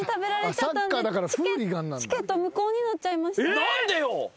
何でよ！